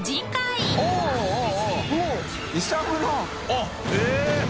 あっえぇ！